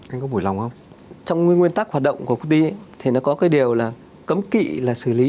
anh có buổi lòng không trong nguyên tắc hoạt động của quốc tế thì nó có cái điều là cấm kỵ là xử lý